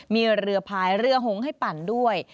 มีเรือพายเรือหงให้ปั่นด้วย